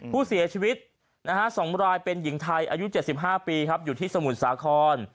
ผู้เสียชีวิต๒รายเป็นหญิงไทยอายุ๗๕ปีครับอยู่ที่สมุทรสาคร